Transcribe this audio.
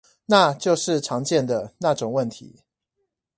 那就是常見的那種問題